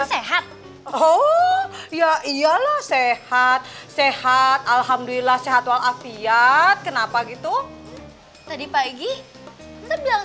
seeps haiho oh ya iyalah sehat sehat alhamdulillah sehat walafiat kenapa gitu tadi pagi dia bilang